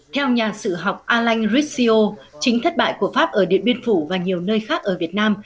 theo nhà sự học aland rissio chính thất bại của pháp ở điện biên phủ và nhiều nơi khác ở việt nam